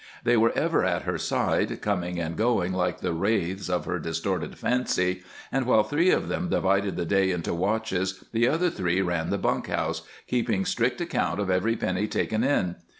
They were ever at her side, coming and going like the wraiths of her distorted fancy, and while three of them divided the day into watches the other three ran the bunk house, keeping strict account of every penny taken in.